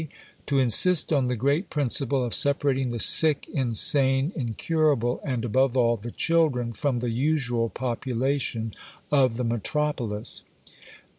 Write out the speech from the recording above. To insist on the great principle of separating the Sick, Insane, "Incurable," and, above all, the Children, from the usual population of the Metropolis.